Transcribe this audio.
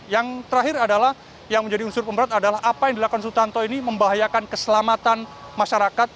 yang terakhir adalah yang menjadi unsur pemberat adalah apa yang dilakukan sutanto ini membahayakan keselamatan masyarakat